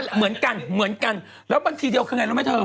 เหมือนกันเหมือนกันแล้วบางทีเดียวคือไงรู้ไหมเธอ